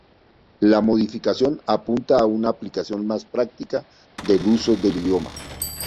La modificación apunta a una aplicación más práctica del uso del idioma.